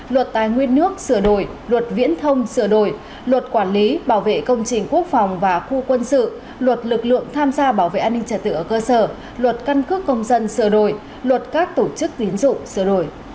luật tài nguyên nước sửa đổi luật viễn thông sửa đổi luật quản lý bảo vệ công trình quốc phòng và khu quân sự luật lực lượng tham gia bảo vệ an ninh trả tự ở cơ sở luật căn cước công dân sửa đổi luật các tổ chức tín dụng sửa đổi